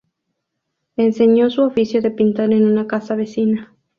Enseñó su oficio de pintor en una casa vecina.